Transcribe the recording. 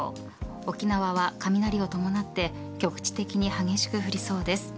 沖縄は雷を伴って局地的に激しく降りそうです。